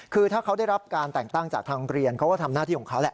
คือถ้าเขาได้รับการแต่งตั้งจากทางเรียนเขาก็ทำหน้าที่ของเขาแหละ